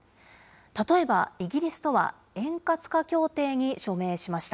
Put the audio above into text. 例えば、イギリスとは円滑化協定に署名しました。